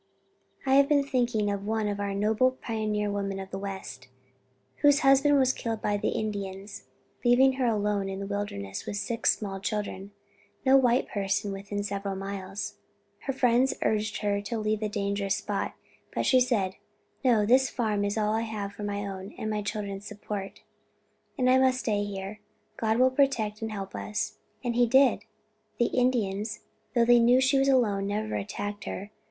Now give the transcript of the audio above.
"I have been thinking of one of our noble pioneer women of the West, whose husband was killed by the Indians, leaving her alone in the wilderness with six small children, no white person within several miles. "Her friends urged her to leave the dangerous spot, but she said, 'No, this farm is all I have for my own and my children's support, and I must stay here. God will protect and help us.' And he did; the Indians, though they knew she was alone, never attacked her.